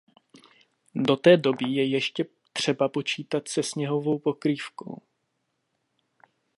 Do té doby je ještě třeba počítat se sněhovou pokrývkou.